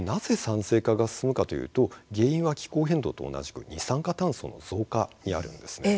なぜ酸性化が進むかというと原因が気候変動と同じで二酸化炭素の増加にあるんです。